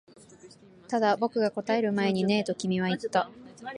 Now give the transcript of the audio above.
ただ、僕が答える前にねえと君は言った